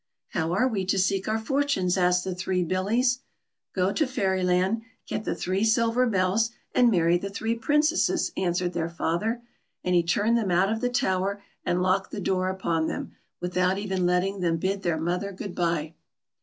" How are we to seek our fortunes? " asked the three Billie.s. " Go to Fair\ land, get the three silver bells, and marr\' the three Princesses," answered their father ; and he turned them out of the tower, and locked the door upon them, without even letting them bid their mother good b\'e.